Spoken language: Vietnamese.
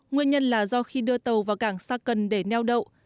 nguyên nhân là do khi đưa tàu vào cảng sa cần để neo đậu